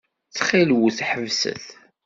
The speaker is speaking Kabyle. Ttxil-wet, ḥebset.